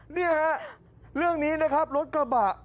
เนี่ยเรื่องนี้นะครับ